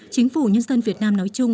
chính phủ nhân dân việt nam nói chung